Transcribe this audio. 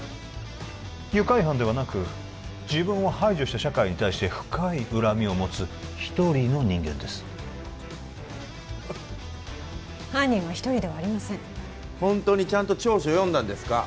愉快犯ではなく自分を排除した社会に対して深い恨みを持つ１人の人間ですハハッ犯人は１人ではありませんホントにちゃんと調書読んだんですか？